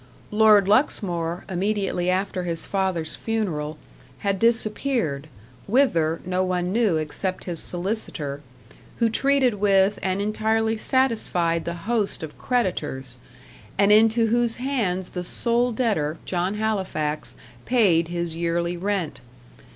Lord Luxmore, immediately after his father's funeral, had disappeared, whither, no one knew except his solicitor; who treated with and entirely satisfied the host of creditors, and into whose hands the sole debtor, John Halifax, paid his yearly rent.